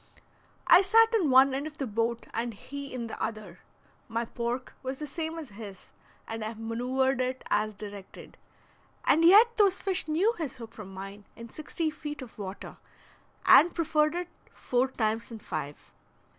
I sat in one end of the boat and he in the other; my pork was the same as his, and I maneuvered it as directed, and yet those fish knew his hook from mine in sixty feet of water, and preferred it four times in five.